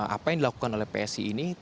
apa yang dilakukan oleh psi ini